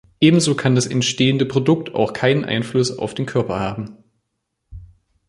Ebenso kann das entstehende Produkt auch keinen Einfluss auf den Körper haben.